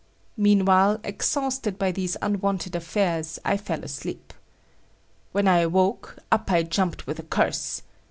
Meanwhile, exhausted by these unwonted affairs, I fell asleep. When I awoke, up I jumped with a curse.